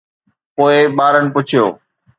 پوءِ ٻارن پڇيو